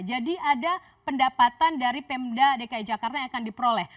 ada pendapatan dari pemda dki jakarta yang akan diperoleh